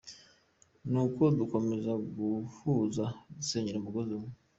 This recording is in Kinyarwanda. Nuko dukomeze guhuza dusenyera umugozi umwe.